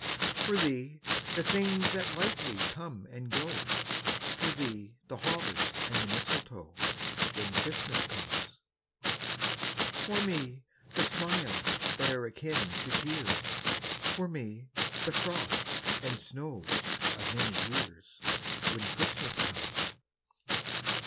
For thee, the things that lightly come and go, For thee, the holly and the mistletoe, When Christmas comes. For me, the smiles that are akin to tears, For me, the frost and snows of many years, When Christmas comes.